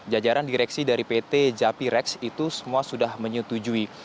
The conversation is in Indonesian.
jajaran direksi dari pt japirex itu semua sudah menyetujui